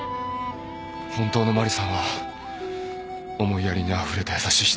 本当のマリさんは思いやりにあふれた優しい人だって。